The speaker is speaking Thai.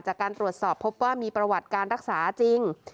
จากการตรวจสอบพบว่ามีประวัติการรักษาจริง